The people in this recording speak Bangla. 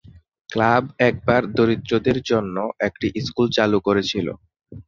ক্লাব একবার দরিদ্রদের জন্য একটি স্কুল চালু করেছিলো।